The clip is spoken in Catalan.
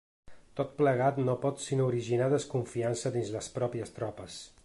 Tot plegat no pot sinó originar desconfiança dins les pròpies tropes.